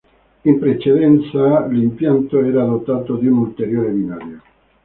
In precedenza, l'impianto era dotato di un ulteriore binario.